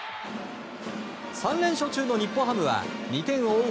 ３連勝中の日本ハムは２点を追う